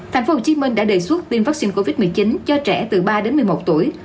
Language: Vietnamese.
thành phố hồ chí minh đã đề xuất tiêm vaccine covid một mươi chín cho trẻ từ ba đến một mươi một tuổi